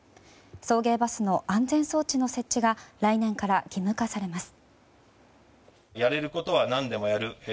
送迎バスの安全装置の設置が来年から義務化されます。